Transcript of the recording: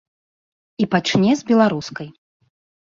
І пачне з беларускай.